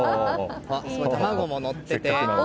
すごい、卵ものってて。